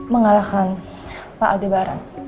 mengalahkan pak aldebaran